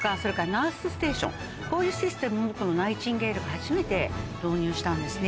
こういうシステムもナイチンゲールが初めて導入したんですね。